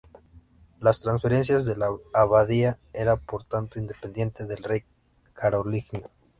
La transferencia de la abadía era por tanto independiente del rey carolingio.